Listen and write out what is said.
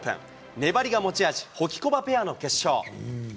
粘りが持ち味、ホキコバペアの決勝。